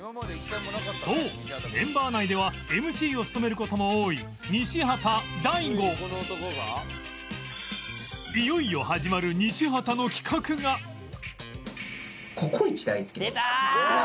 そうメンバー内では ＭＣ を務める事も多いいよいよ始まる出た！